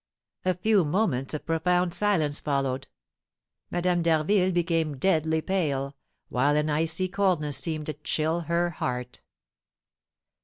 A few moments of profound silence followed; Madame d'Harville became deadly pale, while an icy coldness seemed to chill her heart.